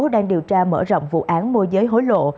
đang điều tra mở rộng vụ án môi giới hối lộ